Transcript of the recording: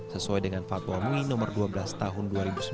sesuai dengan fatwa mui nomor dua belas tahun dua ribu sembilan belas